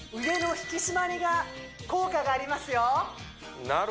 腕の引き締まりが効果がありますよ・